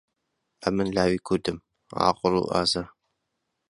ئەمن لاوی کوردم، عاقڵ و ئازا.